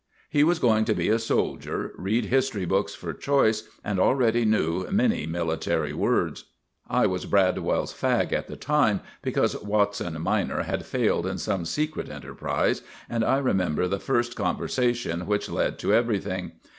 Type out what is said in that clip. He was going to be a soldier, read history books for choice, and already knew many military words. I was Bradwell's fag at the time, because Watson minor had failed in some secret enterprise, and I remember the first conversation which led to everything.